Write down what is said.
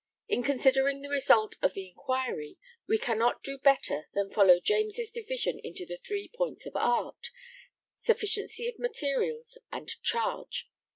In considering the result of the inquiry we cannot do better than follow James' division into the three points of art, sufficiency of materials, and charge.